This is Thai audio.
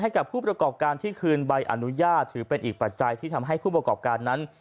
กับผู้ประกอบการที่คืนใบอนุญาตถือเป็นอีกปัจจัยที่ทำให้ผู้ประกอบการนั้น